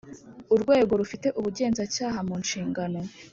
Urwego rufite ubugenzacyaha mu nshingano